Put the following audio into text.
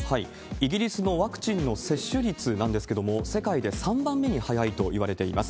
イギリスのワクチンの接種率なんですけれども、世界で３番目に早いといわれています。